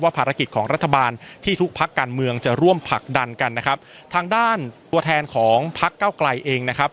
ภารกิจของรัฐบาลที่ทุกพักการเมืองจะร่วมผลักดันกันนะครับทางด้านตัวแทนของพักเก้าไกลเองนะครับ